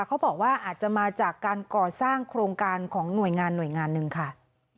เขาบอกว่าอาจจะมาจากการก่อสร้างโครงการของหน่วยงานหน่วยงานหนึ่งค่ะ